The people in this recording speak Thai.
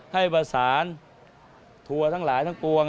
ให้ประสานทัวร์ทั้งหลายทั้งปวง